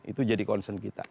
itu jadi concern kita